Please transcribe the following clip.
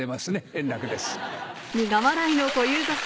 円楽です。